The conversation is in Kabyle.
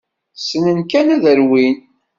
Ssnen kan ad rwin.